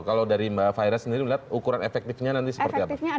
kalau dari mbak fahira sendiri melihat ukuran efektifnya nanti seperti apa